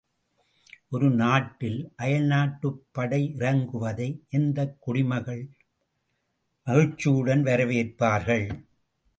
ஒரு நாட்டில் அயல்நாட்டுப் படை இறங்குவதை எந்தக் குடிமக்கள் மகிழ்ச்சியுடன் வரவேற்பார்கள்?